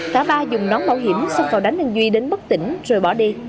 thả ba dùng nón bảo hiểm xong vào đánh anh duy đến bất tỉnh rồi bỏ đi